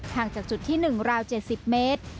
จากจุดที่๑ราว๗๐เมตร